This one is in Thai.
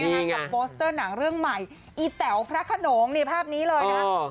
กับโปสเตอร์หนังเรื่องใหม่อีแต๋วพระขนงนี่ภาพนี้เลยนะครับ